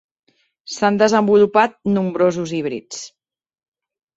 S'han desenvolupat nombrosos híbrids.